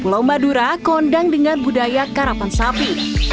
pulau madura kondang dengan budaya karapan sapi